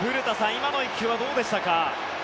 今の１球はどうでしたか。